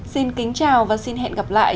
xin kính chào và hẹn gặp lại